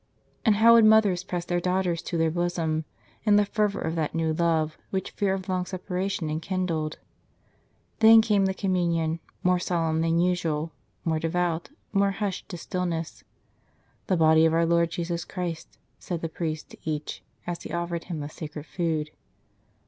And how would mothers press their daughters to their bosom, in the fervor of that new love which fear of long separation enkindled! Then came the communion, more solemn than usual, more devout, more hushed to stillness. "The Body of Our Lord Jesus Christ," said the priest to each, as he offered him the sacred food.